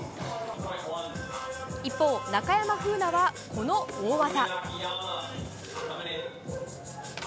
一方、中山楓奈は、この大技。